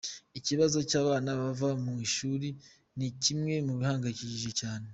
Ikibazo cy’abana bava mu ishuri ni kimwe mu bihangayikishije cyane.